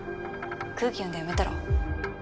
空気読んで辞めたら？